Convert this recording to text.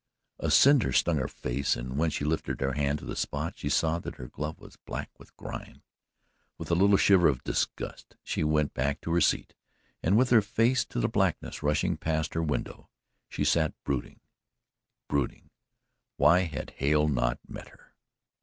A cinder stung her face, and when she lifted her hand to the spot, she saw that her glove was black with grime. With a little shiver of disgust she went back to her seat and with her face to the blackness rushing past her window she sat brooding brooding. Why had Hale not met her?